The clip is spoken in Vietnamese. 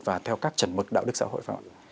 và theo các chuẩn mực đạo đức xã hội phải không ạ